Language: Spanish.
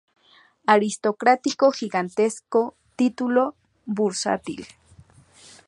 Aristocrático-gigantesco título bursátil.